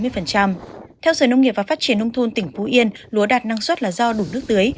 theo sở nông nghiệp và phát triển nông thôn tỉnh phú yên lúa đạt năng suất là do đủ nước tưới